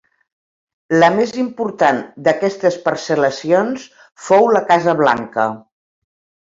La més important d'aquestes parcel·lacions fou la Casa Blanca.